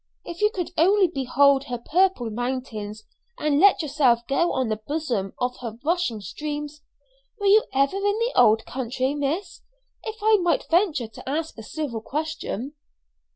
If you could only behold her purple mountains, and let yourself go on the bosom of her rushing streams! Were you ever in the old country, miss, if I might venture to ask a civil question?"